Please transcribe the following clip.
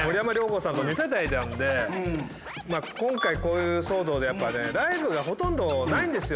あとねやっぱね今回こういう騒動でやっぱねライブがほとんどないんですよ。